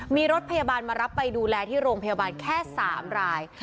มีรถพยาบาลมารับไปดูแลที่โรงพยาบาลแค่๓ราย